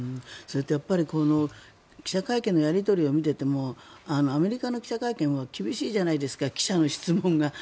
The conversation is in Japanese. それと記者会見のやり取りを見ていてもアメリカの記者会見は厳しいじゃないですか記者の質問が。